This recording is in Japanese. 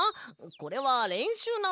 これはれんしゅうなんだ。